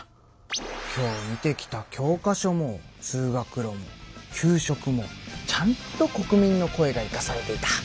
今日見てきた教科書も通学路も給食もちゃんと国民の声がいかされていた。